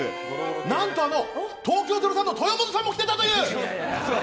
何と、あの東京０３の豊本さんも来ていたという！